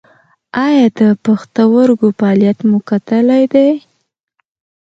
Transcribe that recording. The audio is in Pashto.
ایا د پښتورګو فعالیت مو کتلی دی؟